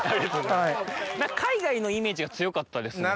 海外のイメージが強かったですね